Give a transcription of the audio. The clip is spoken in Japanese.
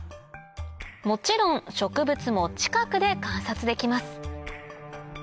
もちろん植物も近くで観察できます